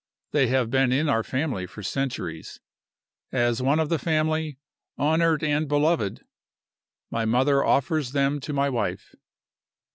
They have been in our family for centuries. As one of the family, honored and beloved, my mother offers them to my wife."